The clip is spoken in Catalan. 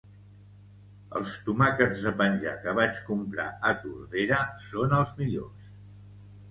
Els tomàquets de penjar que vaig comprar a Tordera són els millors